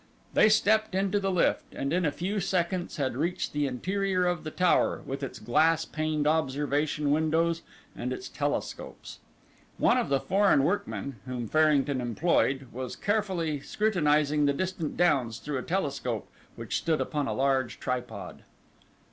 They stepped into the lift, and in a few seconds had reached the interior of the tower, with its glass paned observation windows and its telescopes. One of the foreign workmen, whom Farrington employed, was carefully scrutinizing the distant downs through a telescope which stood upon a large tripod.